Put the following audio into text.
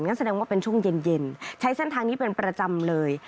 แสดงว่าเป็นช่วงเย็นใช้เส้นทางนี้เป็นประจำเลย